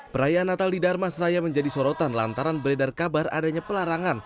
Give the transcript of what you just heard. perayaan natal di darmas raya menjadi sorotan lantaran beredar kabar adanya pelarangan